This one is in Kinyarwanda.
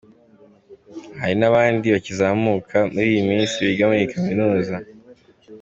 Hari n'abandi bakizamuka muri iyi minsi biga muri iyi Kaminuza.